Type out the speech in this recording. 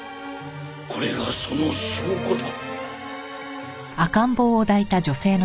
これがその証拠だ。